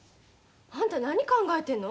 あんた何考えてんの？